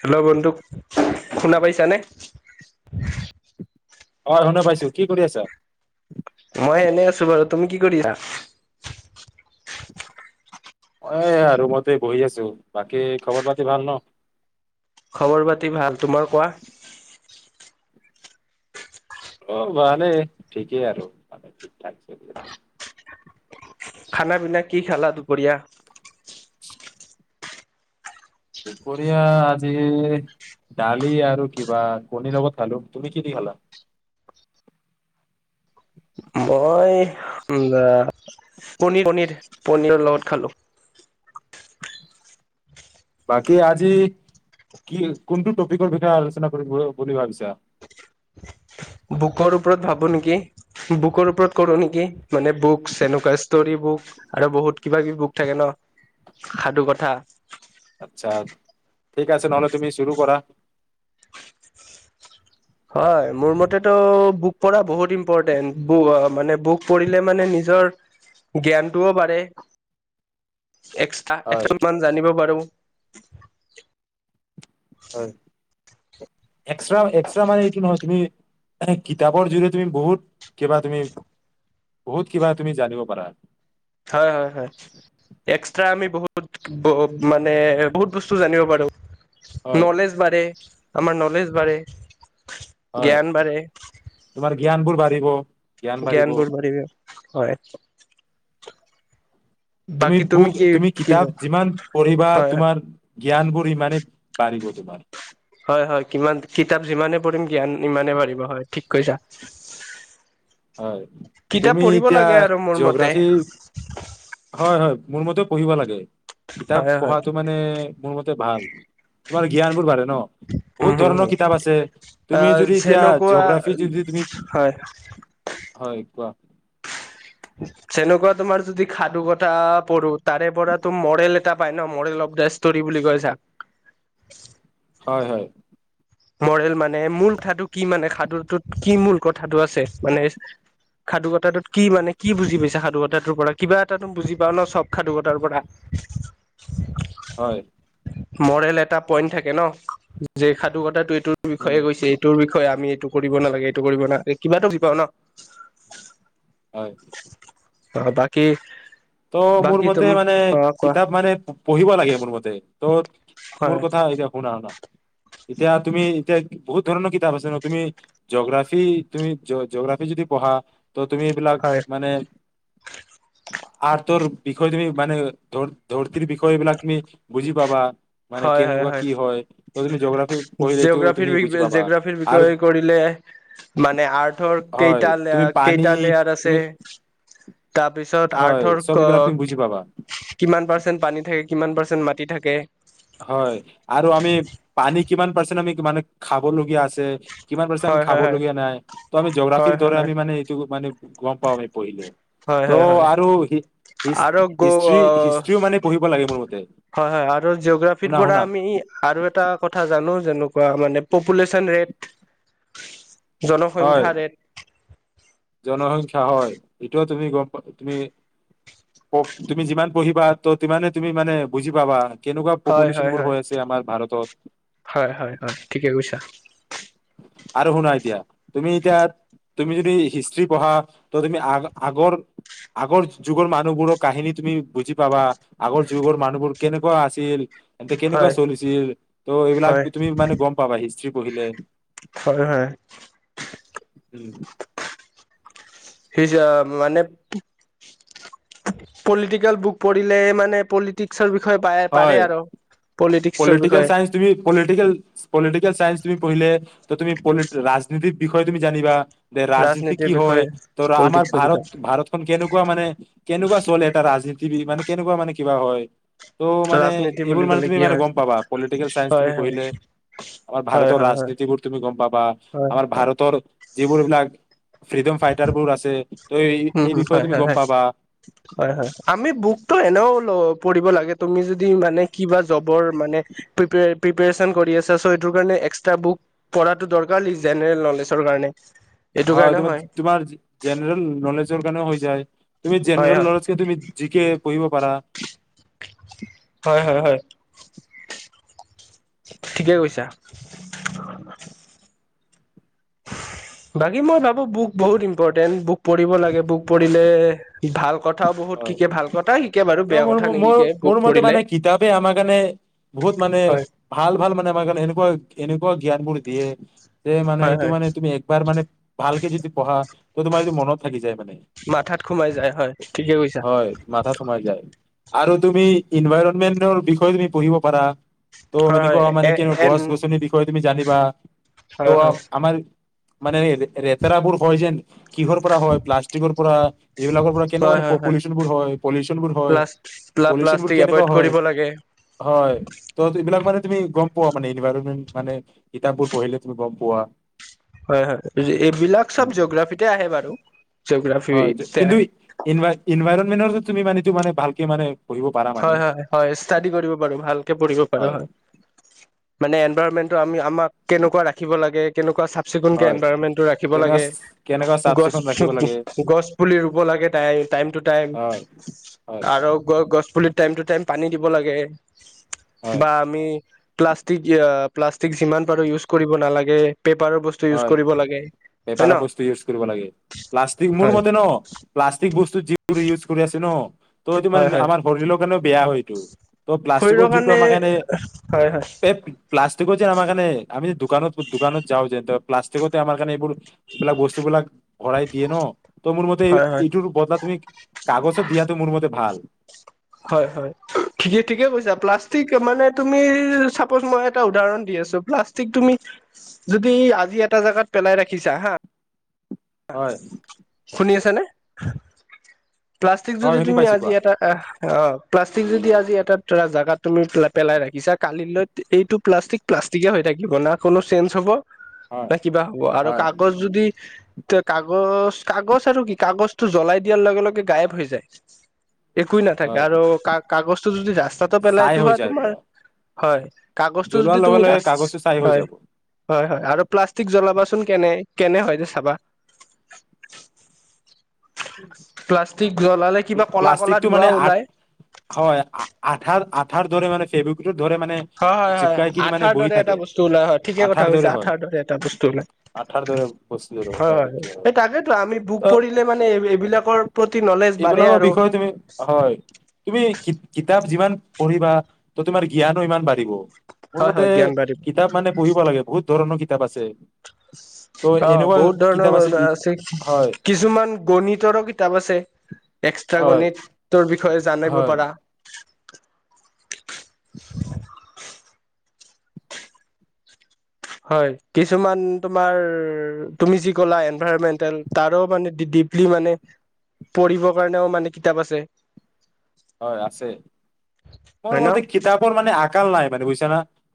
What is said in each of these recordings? Hello বন্ধু শুনা পাইছানে অহ শুনা পাইছো কি কৰি আছা? মই এনেই আছো বাৰু তুমি কি কৰিছা? অহ এয়া ৰুমতে বহি আছো বাকী খবৰ পাতি ভাল নহ? খবৰ পাতি ভাল তোমাৰ কোৱা? অহ ভালে ঠিকেই আৰু মানে ঠিকঠাক চলি আছে। খানা পিনা কি খালা দুপৰীয়া? দুপৰীয়া আজি দালি আৰু কিবা কণীৰ লগত খালো তুমি কি দি খালা? মই পনীৰ পনীৰ পনীৰৰ লগত খালো। বাকী আজি কি কোনটো টপিকৰ বিষয়ে আলোচনা কৰি বুলি ভাবিছা। বুকৰ ওপৰত ভাবো নেকি বুকৰ ওপৰত কৰো নেকি মানে বুক এনেকুৱা ষ্টৰী বুক আৰু বহুত কিবা কিবি বুক থাকে নহ সাধু কথা আচ্ছা ঠিক আছে নহ'লে তুমি চুৰু কৰা হয় মোৰ মতেতো বুক পঢ়া বহুত ইম্পৰটেণ্ট বু মানে বুক পঢ়িলে মানে নিজৰ জ্ঞানটোও বাঢ়ে। এক্সট্ৰা হয় একট মান জানিব পাৰো। [unintelligible] হয়। এক্সটা এক্সটা মানে এইটো নহয় তুমি এনে কিতাপৰ যিটো তুমি বহুত কিবা তুমি বহুত কি বা তুমি জানিব পাৰা হয় হয় হয় এক্সট্ৰা আমি বহুত মানে বহুত বস্তু জানিব পাৰো। হয় নলেজ বাঢ়ে। আমাৰ নলেজ বাঢ়ে হয় জ্ঞান বাঢ়ে তোমাৰ জ্ঞান বোৰ বাঢ়িব। জ্ঞানবোৰ বাঢ়িব হয় তুমি বাকী বুক কি তুমি কি কিতাপ হয় যিমান পঢ়িবা হয় তোমাৰ জ্ঞান বোৰ ইমানেই বাঢ়িব তোমাৰ হয় হয় কিমান কিতাপ যিমানে পঢ়িম জ্ঞান ইমানে বাঢ়িব হয় ঠিক কৈছা। হয় কিতাপ তুমি পঢ়িব এতিয়া লাগে আৰু মোৰ মতে জিঅ'গ্ৰাফি। হয় হয় মোৰ মতেও পঢ়িব লাগে। কিতাপ হয় হয় পঢ়াতটো মানে মোৰ মতে। ভাল তোমাৰ জ্ঞান বোৰ বাঢ়িব। উম বহুত হম ধৰণৰ হম কিতাপ আছে তুমি আহ যদি এতিয়া যেনেকুৱা জিঅ'গ্ৰাফি যদি তুমি। হয় হয় কোৱা। তেনেকুৱা তোমাৰ যদি সাধু কথা পঢ়োঁ তাৰে পৰা তো মৰেল এটা পাই ন মৰেল অব দা ষ্টৰি বুলি কৈছা। হয় হয়। মৰেল মানে মূল কথাটো কি মানে সাধুটোত কি মূল কথাটো আছে মানে সাধুকথাটোত কি মানে কি বুজি পাইছা সাধু কথাটোৰ পৰা কিবা এটা তো বুজি পাও ন চব সাধুকথাৰ পৰা। হয়। মৰেল এটা পইন্ট থাকে ন। ক ট [unintelligible] এইটো উম বিষয়ে গৈছে এইটোৰ বিষয়ে আমি। এইটো কৰিব নালাগে এইটো কৰিব নালাগে কিবা এটা বুজি পাওঁ ন। হয়। অ' বাকী ত' মোৰ বাকী মতে তুম মানে, অ কোৱা কিতাপ মানে পঢ়িব লাগে মোৰ মতে। ত' মোৰ হয় কথা এতিয়া শুনা শুনা। এতিয়া তুমি এতিয়া বহুত ধৰণৰ কিতাপ আছে ন' তুমি জঅগ্ৰাফি তুমি জঅগ্ৰাফি যদি পঢ়া। ত' তুমি এইবিলাক হয় মানে আৰু তোৰ বিষয় তুমি মানে, ধ ধৰ্তীৰ বিষয় এইবিলাক তুমি বুজি পাবা। মানে হয় হয় কেনেকুৱা হয়, কি ত তুমি জগ্ৰাফি পঢ়িলে এইটো জিঅগ্ৰফী তুমি বুজি পাবা জঅগ্ৰাফি আৰু বিষয়ে কৰিলে মানে আৰ্থৰ হয় কেইটা, তুমি পানী কেইটা লেয়াৰ আছে তুমি তাৰ পিছত হয় আৰ্থৰ চব এইবিলাক অ', তুমি বুজি পাবা কিমান পাৰ্চেন্ট পানী থাকে। কিমান পাৰ্চেণ্ট মাটি থাকে। হয় আৰু আমি পানী কিমান পাৰ্চেন্ট আমি মানে খাবলগীয়া আছে। কিমান পাৰচা আমি হয় খাব হয় লগীয়া নাই, ত' আমি জগ্ৰাফিৰ হয় হয় দৰে হয় আমি মানে এইটো মানে গম পাও আমি পঢ়িলে। হয় ত' হয় হয় হয় আৰু, হি আৰু গ হিষ্ট্ৰীি হিষ্ট্ৰীও মানে পঢ়িব লাগে মোৰ মতে। হয় হয় আৰু জিঅগ্ৰাফিৰ শুনা পৰা শুনা আমি আৰু এটা কথা জানো যেনেকুৱা মানে পপুলেচন ৰেট হয় জনসংখ্যা ৰেট। জনসংখ্যা হয়, এইটোও তুমি গম প, তুমি, তুমি যিমান পঢ়িবা ত' তিমানে তুমি মানে বুজি পাবা। কেনেকুৱা হয় পপুলেশ্যন হয় বোৰ হয়, হৈ আছে আমাৰ ভাৰতত হয় হয় হয়, ঠিকে কৈছা। আৰু শুনা এতিয়া, তুমি এতিয়া তুমি যদি হিছ স্ত্ৰী পঢ়া ত' তুমি আগ আগৰ, আগৰ যুগৰ মানুহবোৰৰ কাহিনী তুমি বুজি পাবা, আগৰ যুগৰ মানুহবোৰ কেনেকুৱা আছিল। এন্তে কেনেকুৱা হয় চলিছিল ত' এইবিলাক হয় তুমি মানে গম পাবা মানে হিচ [unintelligible] পহিলে হয়, হয়। উম। [unintelligible] মানে, পলিটিকেল বুক পঢ়িলে মানে পলিটিকসৰ বি বিষয়ে পাৰে হয় আৰু। পলিটিকছ পলিটিকেল চাইন্স তুমি, পলিটিকেল পলিটিকেল চাইন্স তুমি পঢ়িলে ত' তুমি প' ৰাজনীতিৰ বিষয়ে তুমি জানিবা যে ৰাজনীতি ৰাজনীতিৰ কি হয়। বিষয়ে ধৰা আমাৰ পলিটিক্সৰ ভাৰত বিষয়ে ভাৰতখন কেনেকুৱা মানে কেনেকুৱা চলে এটা ৰাজনীতিবি, মানে কেনেকুৱা মানে কিবা হয়। ত' মানে ৰাজনীতি এইবোৰ বুলি মানে ক'লে তুমি কি মানে হয় গম পাবা, পলিটিকেল চাইন্স হয় তুমি হয় পঢিলে। আমাৰ হয় ভাৰতৰ হয় হয় ৰাজনীতিবোৰ তুমি গম পাবা। হয় আমাৰ হয় ভাৰতৰ যিবোৰ বিলাক উম, এই বিষয়ে হয় তুমি হয় গম হয়। পাবা হয় হয়। আমি বুকটো এনেও লওঁ পঢ়িব লাগে তুমি যদি মানে কিবা জবৰ মানে প্ৰপ প্ৰিপৰেচন কৰি আছা চ' সটো কাৰণে এক্সট্ৰা বুক পঢ়াটো দৰকাৰ জেনেৰেল নলেজৰ কাৰণে। এইটো কাৰণে হয়। তোমাৰ জেনেৰেল নলেজৰ কাৰণেও হৈ যায়। তুমি হয় জেনেৰেল হয় নলেজ কে তুমি জিকে পঢ়িব পাৰা। হয় হয় হয়, ঠিকে কৈছা। বাকী, মই ভাবো বুক বহুত ইম্পৰ্টেন্ট, বুক পঢ়িব লাগে। বুক পঢ়িলে। ই ভাল। কথাও বহুত হয়, শিকে ভাল কথা শিকে বাৰু ত' বেয়া মোৰ কথা মোৰ নিশিকে বুক মোৰ মতে পঢ়িলে মানে কিতাপে আমাৰ কাৰণে বহুত মানে হয় ভাল ভাল মানে আমাৰ কাৰণে সেনেকুৱা। কেনেকুৱা জ্ঞানবোৰ দিয়ে। যে মানে হয় এইটো হয় মানে তুমি একবাৰ মানে ভালকে যদি পঢ়া ত' তোমাৰ সেইটো মনত থাকি যায় মানে। মাথাত সোমাই যায় হয় ঠিকে কৈছা হয়, মাথাত সোমাই যায়। আৰু তুমি ইনভাইৰটমেন্টৰ বিষয়ে তুমি পঢ়িব পাৰা। ত' হয় হয় এনেকুৱা মানে এ কি এন গছ-গছনিৰ বিষয়ে তুমি জানিবা। ত' হয় হয় আমাৰ মানে ৰেতেৰাপুৰ হয় যেন। কি'হৰ পৰা হয় প্লাষ্টিকৰ পৰা এইবিলাকৰ পৰা কেন হয় মানে হয় হয় পপুলেচন বোৰ হয়, পলিউচন বোৰ হয়। প্লাছ পলিউচন বোৰ প্লাষ্টিক কেনেকুৱা এভইড হয়, কৰিব লাগে হয়। [unintelligible] পোৱা মানে এনভাইৰমেন্ট মানে কিতাপবোৰ পঢ়িলে তুমি গম পোৱা। হয় হয় এইবিলাক চব জিঅ'গ্ৰাফিতে আহে বাৰু। হয় জিঅগ্ৰাফিতে কিন্তু আহে তুমি মানে টো মানে ভালকে মানে, পঢ়িব পাৰা মানে হয় হয় ভালকে ইচতা দি কৰিব পাৰোঁ ভালকে পঢ়িব পাৰোঁ হয় মানে। গবাৰ মেনট আমি আমাক কেনেকুৱা ৰাখিব লাগে কেনেকুৱা চাফ চিকুণকে হয় এনভাইৰণমেণ্টটো ৰাখিব কেনেকুৱা লাগে কেনেকুৱা চাফ গছ চিকুণ ৰাখিব লাগে গছ পুলি ৰুব লাগে টাইম টাইম টু টাইম হয় হয় আৰু গ গছ টাইম টু টাইম পানী দিব লাগে। হয় বা আমি প্লাষ্টিক প্লাষ্টিক যিমান পাৰোঁ ইউজ কৰিব নালাগে। পেপাৰৰ বস্তু ইউজ হয় কৰিব লাগে হয় ন পেপাৰৰ বস্তু ইউজ কৰিব লাগে প্লাষ্টিক মোৰ হয় মতে ন প্লাষ্টিক বস্তু যি বোৰে ইউজ কৰি আছে ন! ত এটো মানে হয় হয় আমাৰ শৰীৰৰ সেই কাৰণে বেয়া হয়টো ত' প্লাষ্টিকৰ যোনটো আমাৰ কাৰণে হয় হয় প্লাষ্টিকৰ যে আমাৰ কাৰনে আমি দো দোকানত দোকানত যাওঁ যে প্লাষ্টিকতে আমাৰ কাৰণে এইবোৰ এইবিলাক বস্তুবিলাক ভৰাই দিয়ে ন ত মোৰ মতে হয় হয় এইটোৰ বদলা তুমি কাগজো দিয়াটো মোৰ মতে ভাল। হয় হয় ঠিকেই ঠিকে কৈছা প্লাষ্টিক মানে তুমি চাপজ মই এটা উদাহৰণ দি আছোঁ প্লাষ্টিক তুমি যদি আজি এটা জেগাত পেলাই ৰাখিছা হা হয় শুনি আছা নে? [inaudible] প্লাষ্টিক হয় যদি শুনি তুমি পাইছো আজি কোৱা এটা অ প্লাষ্টিক যদি আজি এটাৰা জেগাত তুমি পেলাই পেলাই ৰাখিছা কালিলৈ এইটো প্লাষ্টিক প্লাষ্টিকে হৈ থাকিব না কোনো চেঞ্জ হ'ব হয় বা কিবা হ'ব আৰু হয় কাগজ যদি এ' কাগজ কাগজ আৰু কি কাগজতটো জ্বলাই দিয়াৰ লগে - লগে গায়ব হৈ যায়। একোৱ নাথাকে হয় আৰু ক- কাগজটো যদি ৰাস্তাতটো ছাই পেলাইটো হৈ হয় যায় তোমাৰ পুৰা হয়। কাগজটো যদি জ্বলোৱাৰ লগে তুমি ৰা লগে কাগজটো ছাই হৈ হয় যাব হয় হয়। আৰু প্লাষ্টিক জ্বলাবাচোন কেনে - কেনে হয় যে চাবা! প্লাষ্টিক জ্বলালে কিবা কলা কলা প্ৰষ্টিক টো মানে ধোঁৱা ওলাই হয় আঠাৰ দৰে মানে সেইব হয় হয় হয় আঠাৰ বহি দৰে এটা থাকে বস্তু ওলাই হয় ঠিকে কথা আঠাৰ কৈছা, হয় আঠাৰ দৰে এটা বস্তু ওলাই আঠাৰ দৰে বস্তুৰ এটা হয় এই তাকেতো আমি বোক ত পৰিলে মানে এই এইবিলাক এইবিলাকৰ বিষয়ে তুমি হয় তুমি কিত কিতাপ তাপ যিমান পঢ়িবা ত তোমাৰ জ্ঞানো ইমান বাঢ়িব। মোৰ হয় মতে হয় জ্ঞান বাঢ়িব কিতাপ মানে পঢ়িব লাগে বহুত ধৰণো কিতাপ আছে। ত' অ এনেকুৱা বহুত ধৰণৰ কিতাপ মানে ই আছে হয় কিছুমান গণিত তৰো আছে এক্সট্ৰা হয় গণিতৰ বিষয় জানিব হয় পাৰা। হয় কিছুমান তোমাৰ তুমি যি কলা এনভাইৰমেন্টেল তাৰো মানে ডিপলি মানে পঢ়িব কাৰণেও মানে কিতাপ আছে। হয় আছে, মোৰ হয় ন মতে কিতাপৰ মানে আগ কাল নাই মানে বুইছা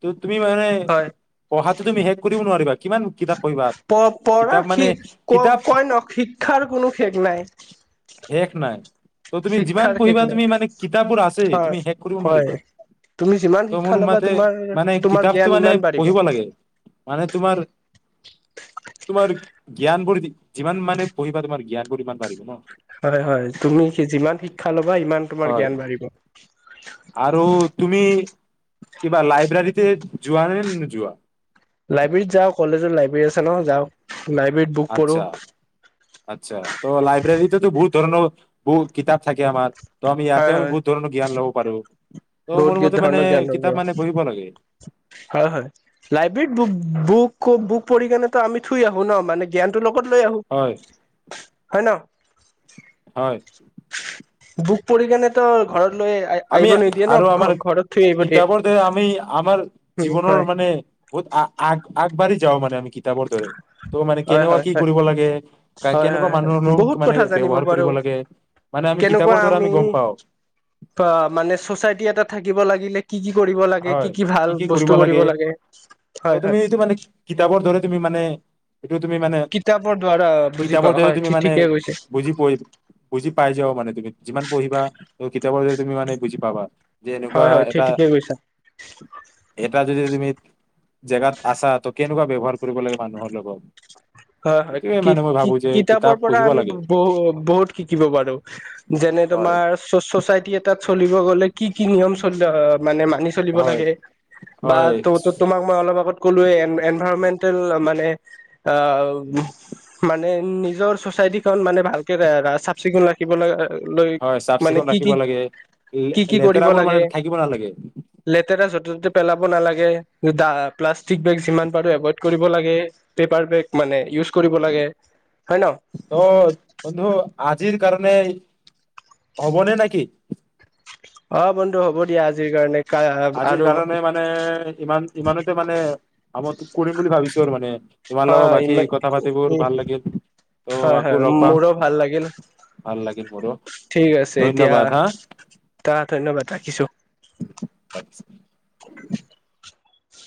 ত তুমি মানে পঢ়াটো তুমি শেষ কৰিব নোৱাৰিবা। কিমান কিতাপ পঢ়িবা কিতাপ প-পঢ়াৰ মানে শেষ কিতাপ ক-কইন শিক্ষাৰ কোনো শেষ নাই। শেষ নাই ত তুমি যিমান শিক্ষাৰ শেষ পঢ়িবা নাই তুমি মানে কিতাপোৰ আছে হয় তুমি শেষ কৰিব হয় নোৱাৰিবা, তুমি যিমান ত শিক্ষা মোৰ ল'বা মতে তোমাৰ মানে তোমাৰ কিতাপটো জ্ঞান মানে ইমান বাঢ়িব পঢ়িব লাগে মানে তোমাৰ তোমাৰ জ্ঞানবোৰ যি-যিমান মানে পঢ়িবা তোমাৰ জ্ঞান বোৰ হিমান বাঢ়িব ন। হয় হয় তুমি যিমান শিক্ষা ল'বা, সিমান তোমাৰ হয় জ্ঞান বাঢ়িব। আৰু তুমি, কিবা লাইব্ৰেৰীতে যোৱা নে নোযোৱা? লাইব্ৰেৰীত যাওঁ। কলেজৰ লাইব্ৰেৰী আছে নহয়, যাওঁ। লাইব্ৰেৰীত বুক আচ্ছা পঢ়োঁ, আচ্ছা ত' লাইব্ৰেৰীতেতো বহুত ধৰণৰ, বহু কিতাপ থাকে আমাৰ। ত' আমি হয় ইয়াতেও আমি হয়। বহুত ধৰণৰ জ্ঞান ল'ব পাৰো ত' মোৰ বহুত মতে মানে ধৰণৰ জ্ঞান ল'ব কিতাপ মানে পঢ়িব লাগে পাৰোঁ। হয় হয়। লাইব্ৰেৰীত বু বুক বু পঢ়িকেনে ত আমি থৈ আহো ন। মানে জ্ঞানটো ল গত লৈ আহোঁ। হয় হয় ন। হয়। বুক পঢ়ি কেনে তো ঘৰত লৈ আমি, আহিব নিদিয়ে ন আৰু আমাৰ, ঘৰত থৈ আহিব দিয়ে কিতাপৰ দ্বাৰা আমি আমাৰ উম জীৱনৰ হয় মানে বহুত আগ আগবাঢ়ি যাওঁ মানে আমি কি তাপৰ দ্বাৰা। ত' মানে হয় কেনেকুৱা হয় কি হয় কৰিব লাগে, হয় কেনেকুৱা হয় হয় মানুহৰ বহুত লগত মানে কথা জানিব ব্যৱহাৰ পাৰো কৰিব লাগে, মানে আমি কিতাপৰ দ্বাৰা আমি গম পাওঁ। ছ'চাইটি এটাত থাকিব লাগিলে কি কি কৰিব লাগে হয়। ভাল কি কি কৰিব বস্তু লাগে, ত হয় হয় তুমি এইটো মানে কিতাপৰ দৰে তুমি মানে এইটো তুমি মানে কিতাপৰ দ্বাৰা বুজি কিতাপৰ পাওঁ দ্বৰে হয় তুমি মানে ঠিকে কৈছে বুজি প বুজি পাই যাবা মানে তুমি। যিমান পঢ়িবা কিতাপৰ যদি তুমি মানে বুজি পাবা। যে এনেকুৱা হয় হয় এটা ঠি-ঠিকে কৈছা। এটা যদি তুমি জেগাত আছা ত কেনেকুৱা ব্যৱহাৰ কৰিব লাগে মানুহৰ লগত হয়, হয় এইটোয়ে মানে মই ভাবো যে কি-কি-কিতাপৰ কিতাপ পৰা পঢ়িব আমি লাগে ব-ব-বহু-বহু-বহুত শিকিব পাৰোঁ, যেনে হয় তোমাৰ চচ-চচাইটি এটাত চলিব গ'লে কি, কি নিয়ম অ', মানে মানি চলিব হয় লাগে, বা হয় ত-ত-তোমাক‌ মই অলপ আগত কলোৱে এন-এনভাইৰমেন্টেল মানে অ' মানে নিজৰ চচাইটিখন মানে ভালকে ৰা-চাফ চিকুণ ৰাখিব লা হয়, চাফ চিকুণ ৰাখিব লাগে, কি কি কৰিব লে-লেতেৰাবোৰ লাগে মানে থাকিব নালাগে। [unintelligible] পেলাব নালাগে, ডা-প্লাষ্টিক বেগ যিমান পাৰোঁ এভইড কৰিব লাগে, পেপাৰ বেগ মানে ইউজ কৰিব লাগে। হয় ন ত' বন্ধু আজিৰ কাৰণে হ'বনে নেকি? অ', বন্ধু হ'ব দিয়া আজিৰ কাৰণে। আজিৰ আৰু কাৰণে মানে ইমান, ইমানতে মানে [unintelligible] কৰিম বুলি ভাবিছোঁ আৰু মানে তোমাৰ হয়, লগত হয় বাকী কথা পাতিবোৰ ইমা-উম, ভাল লাগিল ত' হয়, আকৌ হয় লগ পাম মোৰো ভাল লাগিল, ভাল লাগিল মোৰো ঠিক আছে এতিয়া ধন্যবাদ হা তা, ধন্যবাদ ৰাখিছোঁ। [unintelligible]